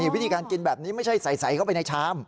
วิธีการกินแบบนี้ไม่ใช่ใสเข้าไปในชาม